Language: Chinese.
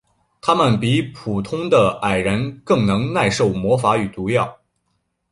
他们比普通的矮人更能耐受魔法与毒药。